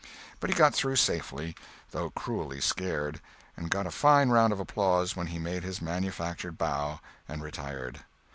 But he got through safely, though cruelly scared, and got a fine round of applause when he made his manufactured bow and retired.